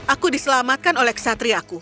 aku diselamatkan oleh kesatriaku